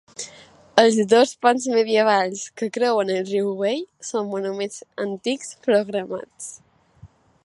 Els dos ponts medievals que creuen el riu Wey són Monuments Antics Programats.